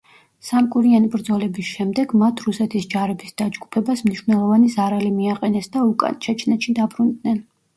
სამკვირიანი ბრძოლების შემდეგ, მათ რუსეთის ჯარების დაჯგუფებას მნიშვნელოვანი ზარალი მიაყენეს და უკან, ჩეჩნეთში დაბრუნდნენ.